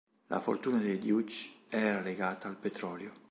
La fortuna dei Deutsch era legata al petrolio.